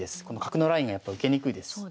この角のラインやっぱ受けにくいです。